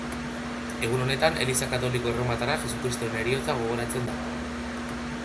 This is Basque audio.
Egun honetan Eliza Katoliko Erromatarrak Jesukristoren Heriotza gogoratzen da.